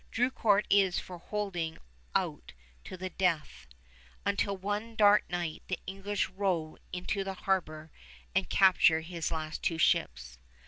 Drucourt is for holding out to the death, until one dark night the English row into the harbor and capture his two last ships.